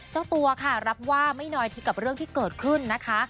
เจ้าตัวค่ะรับว่าไม่น้อยที่กับเรื่องที่เกิดขึ้นนะคะ